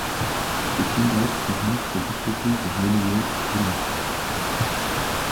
Ces sondages permirent de découvrir le monument romain.